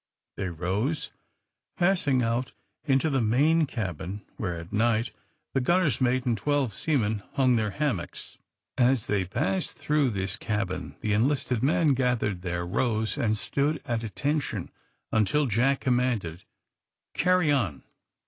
'' They rose, passing out into the main cabin, where, at night, the gunner's mate and twelve seamen hung their hammocks. As they passed through this cabin the enlisted men gathered there rose and stood at attention until Jack com manded :*^ Carry on."